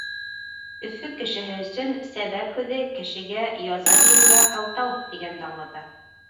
Өфө кешеһе өсөн «сәбәп» һүҙе «кешегә яза биреүгә һылтау» тигәнде аңлата.